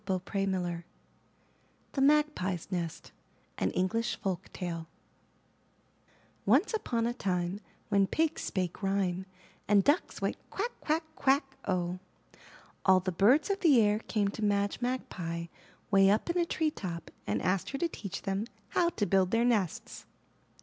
170 IN THE NURSERY THE MAGPIE'S NEST An English Folk Tale Once upon a time when pigs spake rhyme, And ducks went Quack, quack, quack, O ! All the birds of the air came to Madge Magpie way up in a tree top and asked her to teach them how to build their nests.